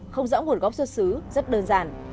không rõ nguồn gốc xuất xứ rất đơn giản